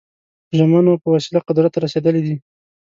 ژمنو په وسیله قدرت ته رسېدلي دي.